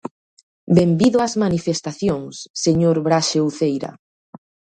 ¡Benvido ás manifestacións, señor Braxe Uceira!